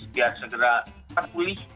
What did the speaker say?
biar segera terpulih